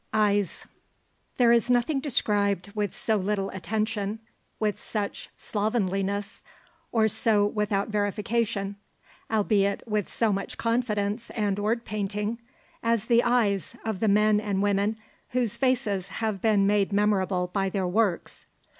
EYES There is nothing described with so little attention, with such slovenliness, or so without verification albeit with so much confidence and word painting as the eyes of the men and women whose faces have been made memorable by their works.